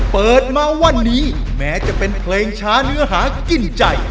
เปิดมาวันนี้แม้จะเป็นเพลงช้าเนื้อหากินใจ